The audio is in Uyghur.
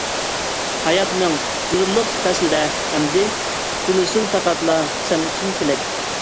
ھاياتنىڭ جۇدۇنلۇق پەسلىدە ئەمدى، تىلىسۇن پەقەتلا سەن ئۈچۈن تىلەك.